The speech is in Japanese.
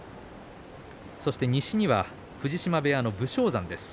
そして西には藤島部屋の武将山です。